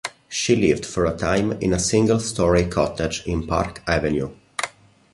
She lived for a time in a single-storey cottage in Park Avenue.